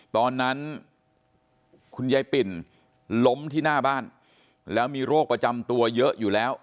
ตอนนั้นคุณยายปิ่นล้มที่หน้าบ้านแล้วมีโรคประจำตัวเยอะอยู่แล้ว